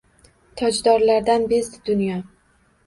Tojdorlardan bezdi dunyo